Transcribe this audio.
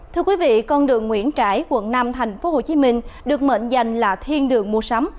thưa quý vị con đường nguyễn trãi quận năm tp hcm được mệnh danh là thiên đường mua sắm